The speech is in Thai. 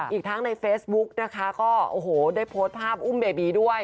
อีกทั้งในเฟซบุ๊กได้โพสต์ภาพอุ้มเบบีด้วย